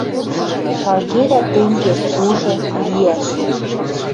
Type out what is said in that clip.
Шалгедӓ тенге — кужы, виӓш...